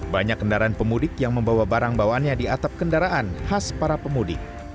banyak kendaraan pemudik yang membawa barang bawaannya di atap kendaraan khas para pemudik